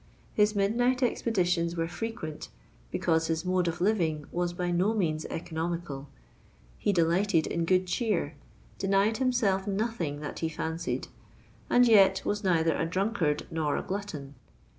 His midnight expeditions were frequent, because his mode of living was by no means economical: he delighted in good cheer—denied himself nothing that he fancied—and yet was neither a drunkard nor a glutton.